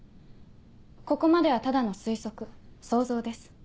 ここまではただの推測想像です。